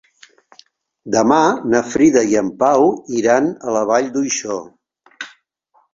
Demà na Frida i en Pau iran a la Vall d'Uixó.